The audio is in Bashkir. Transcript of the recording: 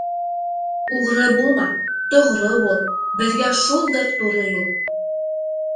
Уғры булма, тоғро бул -Беҙгә шулдыр туры юл.